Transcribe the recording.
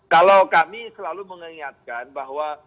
kalau kami selalu mengingatkan bahwa